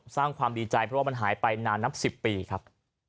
สร้างความดีใจเพราะว่ามันหายไปนานนับ๑๐ปีครับ